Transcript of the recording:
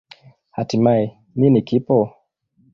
Hatimaye, nini kipo?